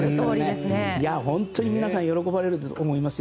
本当に皆さん喜ばれると思います。